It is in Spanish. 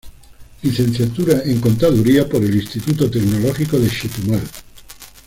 Licenciatura en Contaduría por el Instituto Tecnológico de Chetumal